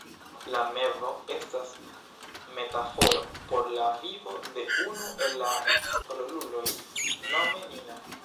La mevo estas metaforo por la vivo de unu el la roluloj, nome Nina.